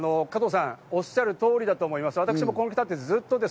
加藤さんがおっしゃる通りだと思います。